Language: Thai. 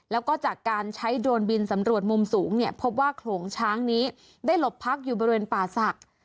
แล้วก็จากการใช้โดรนบินสำรวจมุมสูงเนี่ยพบว่าโขลงช้างนี้ได้หลบพักอยู่บริเวณป่าศักดิ์